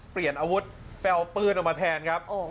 เปลี่ยนอาวุธไปเอาปืนออกมาแทนครับ